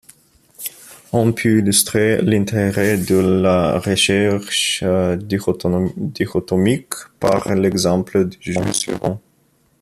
On peut illustrer l'intérêt de la recherche dichotomique par l'exemple du jeu suivant.